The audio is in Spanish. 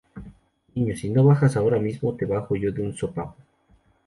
Niño, si no bajas ahora mismo te bajo yo de un sopapo.